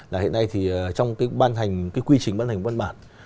là hiện nay trong cái quy trình ban hành văn bản